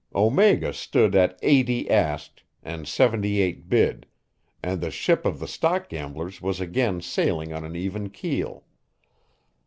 Omega stood at eighty asked, and seventy eight bid, and the ship of the stock gamblers was again sailing on an even keel.